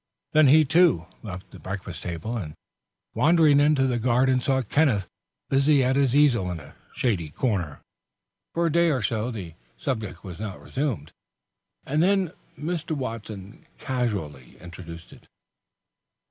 Then he, too, left the breakfast table, and wandering into the garden saw Kenneth busy at his easel in a shady corner. For a day or so the, subject was not resumed, and then Mr. Watson casually introduced it.